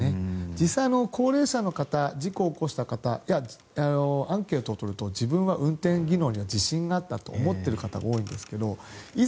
実際、高齢者の方事故を起こした方などにアンケートを取ると自分は運転技能には自信があったと思っている方が多いんですがいざ